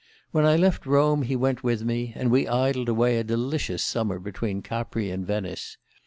When I left Rome he went with me, and we idled away a delicious summer between Capri and Venice.